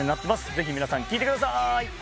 ぜひ皆さん聴いてください！